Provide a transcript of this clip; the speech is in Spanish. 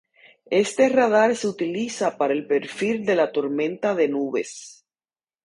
Este radar se utiliza para el perfil de la tormenta de nubes.